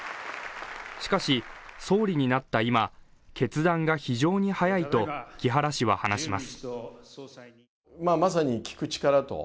しかし総理になった今、決断が非常に早いと木原氏は話します。